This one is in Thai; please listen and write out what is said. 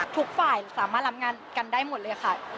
ทุกฝ่ายสามารถรับงานกันได้หมดเลยค่ะ